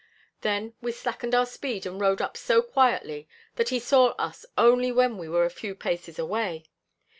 Then we slackened our speed and rode up so quietly that he saw us only when we were a few paces away.